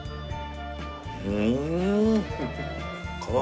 うん！